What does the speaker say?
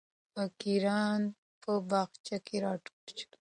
فقیران په باغچه کې راټول شول.